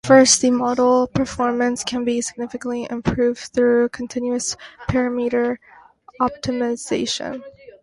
First, the model performance can be significantly improved through continuous parameter optimization.